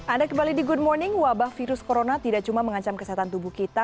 anda kembali di good morning wabah virus corona tidak cuma mengancam kesehatan tubuh kita